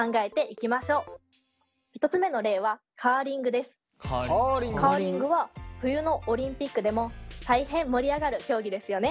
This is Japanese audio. １つ目の例はカーリングは冬のオリンピックでも大変盛り上がる競技ですよね。